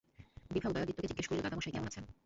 বিভা উদয়াদিত্যকে জিজ্ঞাসা করিল, দাদামহাশয় কেমন আছেন?